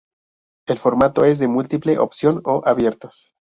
El formato es de múltiple opción o abiertas.